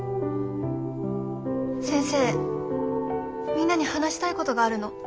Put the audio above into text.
みんなに話したいことがあるの。